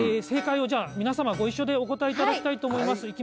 正解をじゃあ皆様ご一緒でお答えいただきたいと思います。